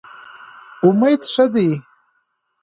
امید ښه دی.